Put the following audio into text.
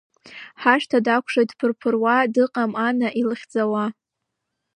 Ҳашҭа дакәшоит дԥырԥыруа, дыҟам Ана илыхьӡауа.